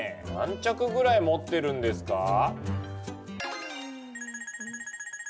何着ぐらい持ってるんですか？